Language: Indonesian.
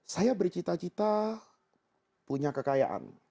saya bercita cita punya kekayaan